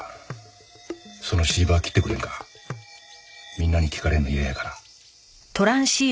みんなに聞かれるの嫌やから。